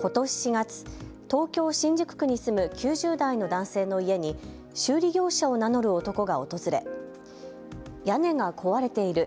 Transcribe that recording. ことし４月、東京・新宿区に住む９０代の男性の家に修理業者を名乗る男が訪れ屋根が壊れている。